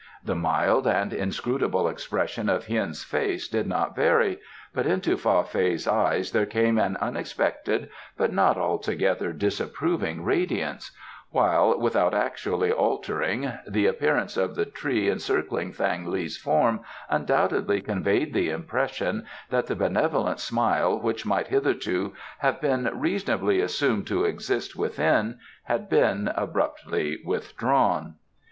The mild and inscrutable expression of Hien's face did not vary, but into Fa Fei's eyes there came an unexpected but not altogether disapproving radiance, while, without actually altering, the appearance of the tree encircling Thang li's form undoubtedly conveyed the impression that the benevolent smile which might hitherto have been reasonably assumed to exist within had been abruptly withdrawn.